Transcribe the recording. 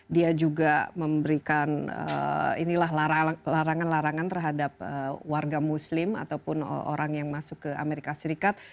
dia juga memberikan larangan larangan terhadap warga muslim ataupun orang yang masuk ke amerika serikat